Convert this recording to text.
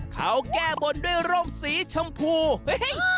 เขาแก้บนด้วยโรมสีชมพูเฮ้ยเฮ้ย